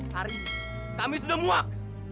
hari ini kami sudah muak